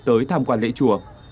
tới tham quan lễ chùa